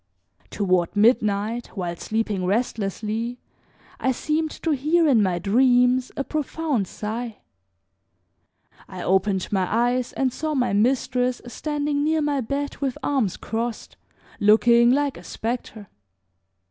Toward midnight, while sleeping restlessly, I seemed to hear in my dreams a profound sigh. I opened my eyes and saw my mistress standing near my bed with arms crossed, looking like a specter.